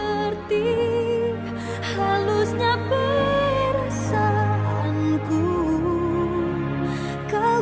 bantu aku bantu aku